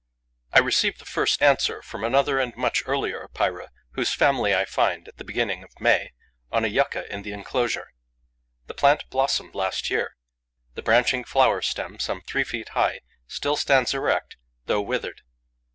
I receive the first answer from another and much earlier Epeira, whose family I find, at the beginning of May, on a yucca in the enclosure. The plant blossomed last year. The branching flower stem, some three feet high, still stands erect, though withered.